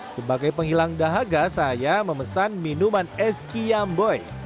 sebagai penghilang dahaga saya memesan minuman es kiamboy